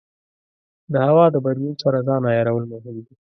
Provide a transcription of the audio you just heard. د هوا د بدلون سره ځان عیارول مهم دي.